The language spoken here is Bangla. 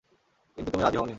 কিন্তু তুমি রাজি হওনি।